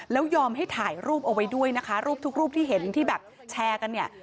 แล้วยอมให้ถ่ายรูปเอาไว้ด้วยนะคะรูปทุกรูปที่เห็นที่แบบแชร์กันเนี่ย